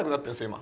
今。